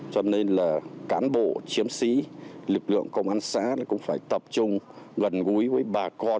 cho nên là cán bộ chiến sĩ lực lượng công an xã cũng phải tập trung gần gũi với bà con